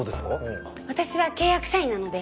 私は契約社員なので。